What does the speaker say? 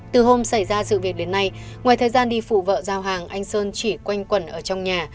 từ hôm xảy ra sự việc đến nay ngoài thời gian đi phụ vợ giao hàng anh sơn chỉ quanh quẩn ở trong nhà